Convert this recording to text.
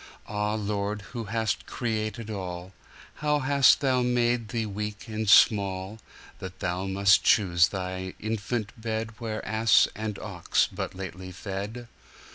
Ah, Lord, who hast created all, How hast Thou made Thee weak and small, That Thou must choose Thy infant bedWhere ass and ox but lately fed!